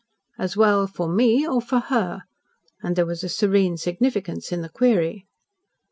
"As well for me or for her?" and there was a serene significance in the query.